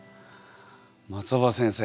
松尾葉先生。